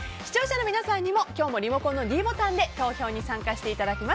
視聴者の皆さんにも今日もリモコンのｄボタンで投票に参加していただきます。